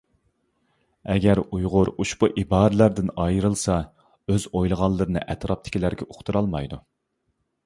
ئەگەر ئۇيغۇر ئۇشبۇ ئىبارىلەردىن ئايرىلسا، ئۆز ئويلىغانلىرىنى ئەتراپتىكىلەرگە ئۇقتۇرالمايدۇ.